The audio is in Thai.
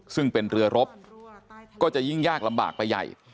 ซึ่งเป็นเรือรบก็จะยิ่งยากลำบากไปใหญ่